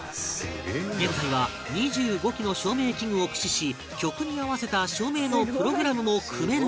現在は２５機の照明器具を駆使し曲に合わせた照明のプログラムも組めるように